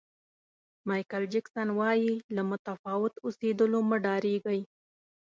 مایکل جکسن وایي له متفاوت اوسېدلو مه ډارېږئ.